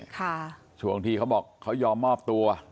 ช่วงที่เขาบอกเขายอมมอบตัว